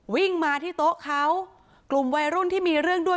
วิ่งมาที่โต๊ะเขากลุ่มวัยรุ่นที่มีเรื่องด้วย